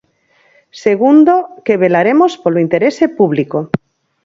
Segundo, que velaremos polo interese público.